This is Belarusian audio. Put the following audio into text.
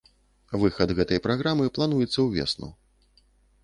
Выхад гэтай праграмы плануецца ўвесну.